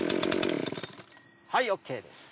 はいＯＫです。